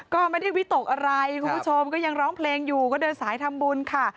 ก็ไม่ได้วิตกอะไรคุณผู้ชมก็ยังร้องเพลงอยู่ก็เดินสายทำบุญค่ะ